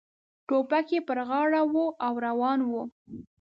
ټوپک یې پر غاړه و او روان و.